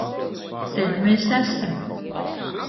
Te nu mēs esam.